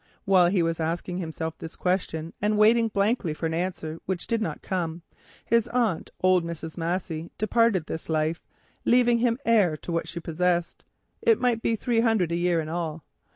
While he was asking this question and waiting blankly for an answer which did not come, his aunt, old Mrs. Massey, departed this life, leaving him heir to what she possessed, which might be three hundred a year in all.